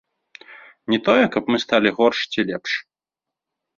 Не тое, каб мы сталі горш ці лепш.